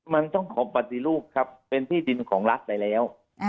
มันต้องขอปฏิรูปครับเป็นที่ดินของรัฐไปแล้ว